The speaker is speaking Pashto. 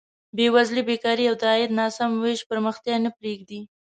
بېوزلي، بېکاري او د عاید ناسم ویش پرمختیا نه پرېږدي.